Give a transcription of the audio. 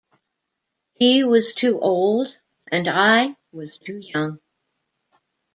He was too old, and I was too young.